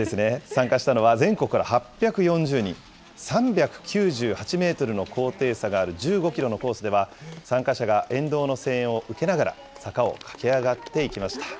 参加したのは全国から８４０人、３９８メートルの高低差がある１５キロのコースでは、参加者が沿道の声援を受けながら、坂を駆け上がっていきました。